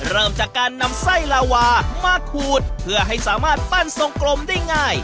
เริ่มจากการนำไส้ลาวามาขูดเพื่อให้สามารถปั้นทรงกลมได้ง่าย